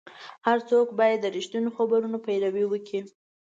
هر څوک باید د رښتینو خبرونو پیروي وکړي.